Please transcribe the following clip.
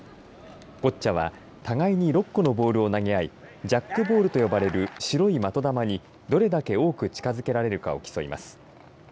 ボッチャは互いに６個のボールを投げ合いジャックボールと呼ばれる白い的球にどれだけ多く近づけられるかを競います。